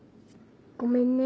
ごめんね。